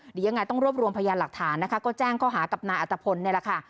เดี๋ยวยังไงต้องรวบรวมพยานหลักฐานนะคะก็แจ้งข้อหากับนายอัตภพลนี่แหละค่ะ